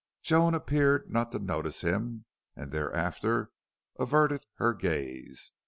Joan appeared not to notice him, and thereafter averted; her gaze.